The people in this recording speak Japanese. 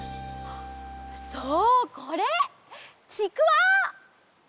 そうこれ！ちくわ！